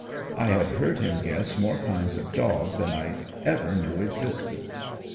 I have heard him guess more kinds of dog than I ever knew existed.